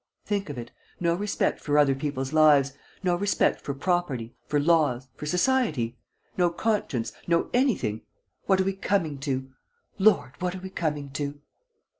Think of it: no respect for other people's lives; no respect for property, for laws, for society; no conscience; no anything! What are we coming to? Lord, what are we coming to?"